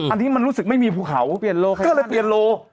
อันนี้มันรู้สึกไม่มีภูเขาก็เลยเปลี่ยนโล